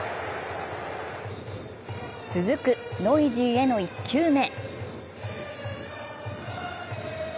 続くノイジーへの１球目。